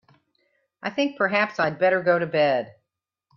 I think perhaps I'd better go to bed.